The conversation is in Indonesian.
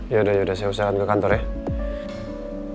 ya udah yaudah saya usahakan ke kantor ya